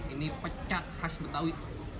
ini pecah khas betawi